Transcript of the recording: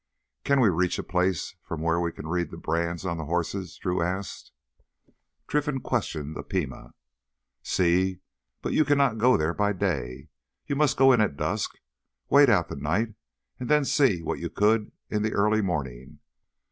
"Can we reach a place from where we can read the brands on the horses?" Drew asked. Trinfan questioned the Pima. "Sí. But you can not go there by day. You must go in at dusk, wait out the night, and then see what you could in the early morning.